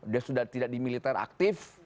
dia sudah tidak di militer aktif